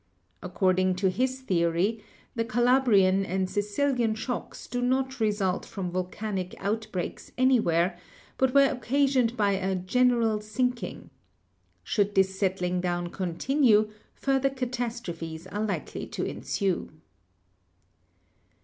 According to his theory, the Cala brian and Sicilian shocks do not result from volcanic out DIASTROPHISM 107 breaks anywhere, but were occasioned by a "general sink ing." Should this settling down continue, further cat astrophes are likely to ensue.